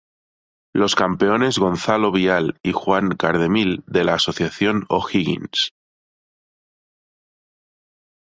Los campeones Gonzalo Vial y Juan Cardemil, de la Asociación O'Higgins.